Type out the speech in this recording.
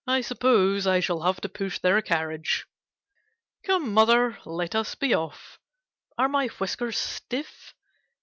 I suppose I shall have to push their carriage. Come, mother, let us be off. Are my whiskers stiff